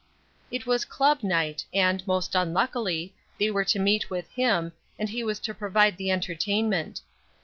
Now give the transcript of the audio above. It was club night, and, most unluckily, they were to meet with him, and he was to provide the entertainment.